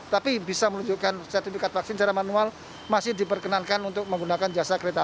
tapi bisa menunjukkan sertifikat vaksin secara manual masih diperkenankan untuk menggunakan jasa kereta